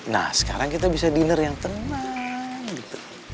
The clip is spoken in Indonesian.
nah sekarang kita bisa diner yang teman gitu